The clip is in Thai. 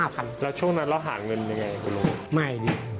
แล้วช่วงนั้นเราหาเงินอย่างไรคุณลุง